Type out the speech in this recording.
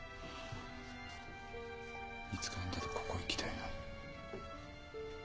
いつかあんたとここ行きたいな。